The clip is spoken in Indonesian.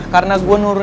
karena gue nurut